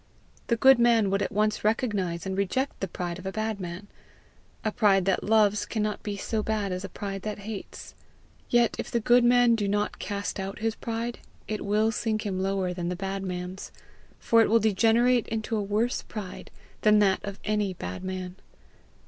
The good man would at once recognize and reject the pride of a bad man. A pride that loves cannot be so bad as a pride that hates. Yet if the good man do not cast out his pride, it will sink him lower than the bad man's, for it will degenerate into a worse pride than that of any bad man.